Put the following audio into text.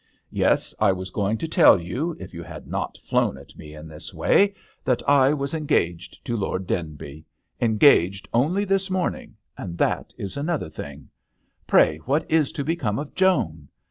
Yes, I was going to tell you, if you had not flown at me in this way, that I was engaged to Lord Denby — en gaged only this morning, and THE hAtEL D'ANGLETERRE. 59 ■■■■■I I ■■! I that is another thing. Pray, what is to become of Joan?